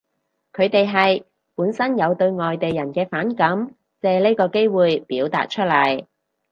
佢哋係，本身有對外地人嘅反感，借呢個機會表達出嚟